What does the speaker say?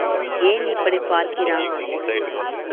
ஏன் இப்படிப் பார்க்கிறான்?